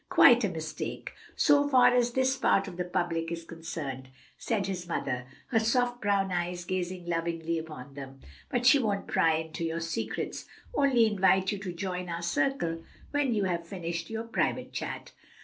"Quite a mistake, so far as this part of the public is concerned," said his mother, her soft brown eyes gazing lovingly upon them, "but we won't pry into your secrets, only invite you to join our circle when you have finished your private chat."